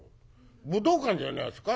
武道館じゃないですか？」。